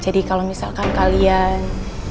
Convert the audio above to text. jadi kalau misalkan kalian